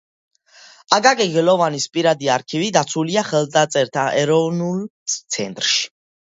აკაკი გელოვანის პირადი არქივი დაცულია ხელნაწერთა ეროვნულ ცენტრში.